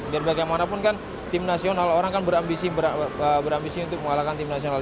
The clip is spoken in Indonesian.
biar bagaimanapun kan tim nasional orang kan berambisi untuk mengalahkan tim nasional